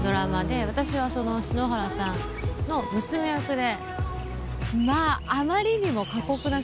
私はその篠原さんの娘役で。